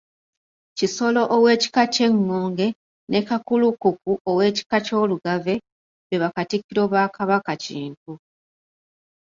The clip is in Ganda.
Kisolo ow'Ekika ky'Engonge ne Kakulukuku ow'ekika ky'Olugave, be bakatikkiro ba Kabaka Kintu.